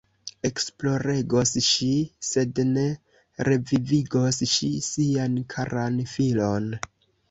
Ekploregos ŝi, sed ne revivigos ŝi sian karan filon!